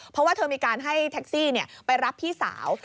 เพราะว่าเธอมีการให้แท็กซี่ไปรับพี่สาว